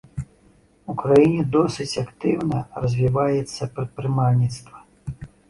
У краіне досыць актыўна развіваецца прадпрымальніцтва.